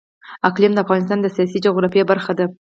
اقلیم د افغانستان د سیاسي جغرافیه برخه ده.